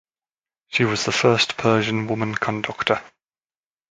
She was the first Persian woman conductor.